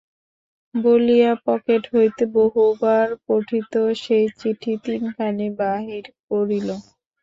বলিয়া পকেট হইতে বহুবার পঠিত সেই চিঠি তিনখানি বাহির করিল।